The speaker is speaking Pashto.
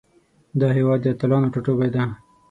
دا هیواد د اتلانو ټاټوبی ده.